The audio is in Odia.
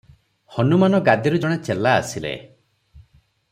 ହନୁମାନ ଗାଦିରୁ ଜଣେ ଚେଲା ଆସିଲେ ।